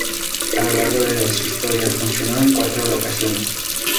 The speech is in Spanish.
A lo largo de su historia funcionó en cuatro locaciones.